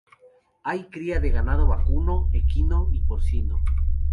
Hay cría de ganado vacuno, equino y porcino.